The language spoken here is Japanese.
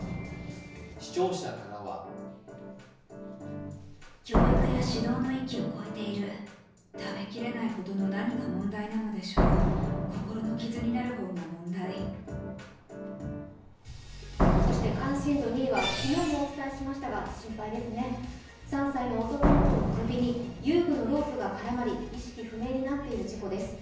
視聴者からはそして関心度２位は昨日もお伝えしましたが心配ですね３歳の男の子の首に遊具のロープが絡まり意識不明になっている事故です。